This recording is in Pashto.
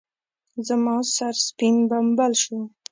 زما سر سپين بمبل شو.